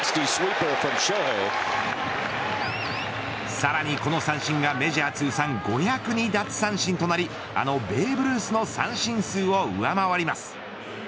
さらに、この三振がメジャー通算５０２奪三振となりあのベーブ・ルースの三振数を上回ります。